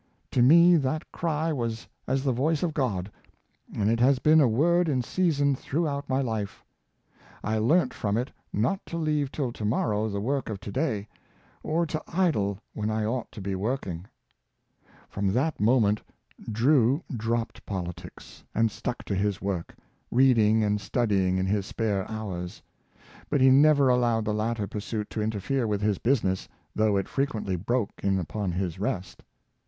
To me that cry was as the voice of God, and it has been a word in sea son throughout my life. I learnt from it not to leave till to morrow the work of to day, or to idle when I ought to be working." From that moment Drew dropped politics, and stuck to his work, reading and studying in his spare hours; but he never allowed the latter pursuit to interfere with his business, though it frequently broke in upon his rest.